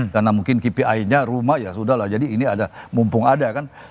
karena mungkin kpi nya rumah ya sudah lah jadi ini ada mumpung ada kan